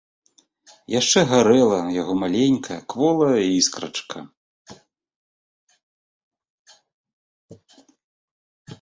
Яшчэ гарэла яго маленькая кволая іскрачка.